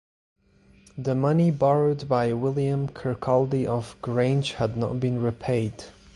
The money borrowed by William Kirkcaldy of Grange had not been repaid.